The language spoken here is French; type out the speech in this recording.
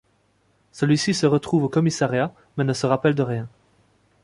Celui-ci se retrouve au commissariat, mais ne se rappelle de rien.